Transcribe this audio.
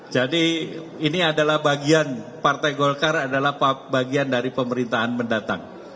jadi ini adalah bagian partai golkar adalah bagian dari pemerintahan mendatang